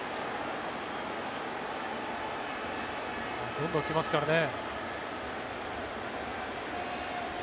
どんどん来ますからね。